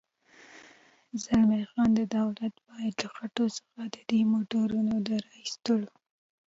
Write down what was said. زلمی خان: دولت باید له خټو څخه د دې موټرو د را اېستلو.